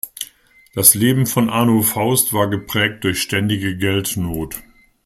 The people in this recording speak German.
Das Leben von Arno Faust war geprägt durch ständige Geldnot.